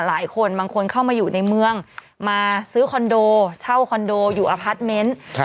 บางคนบางคนเข้ามาอยู่ในเมืองมาซื้อคอนโดเช่าคอนโดอยู่อพาร์ทเมนต์